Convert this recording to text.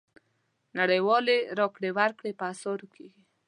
نړیوالې راکړې ورکړې په اسعارو کېږي.